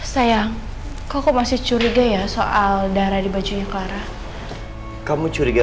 sayang kok masih curiga ya soal darah di bajunya clara kamu curiga